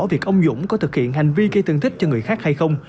thì ông dũng có thực hiện hành vi gây thương tích cho người khác hay không